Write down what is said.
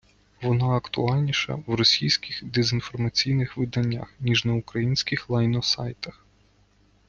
Вона актуальніша в російських дезінформаційних виданнях, ніж на українських лайносайтах.